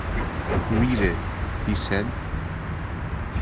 "Read it," he said.